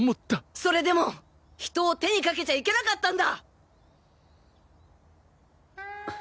それでも人を手にかけちゃいけなかったんだ！